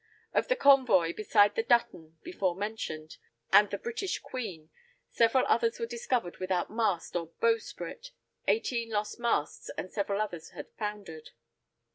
Of the convoy, besides the Dutton, before mentioned, and the British Queen, seven others were discovered without mast or bowsprit; eighteen lost masts and several others had foundered.